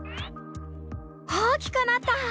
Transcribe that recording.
大きくなった！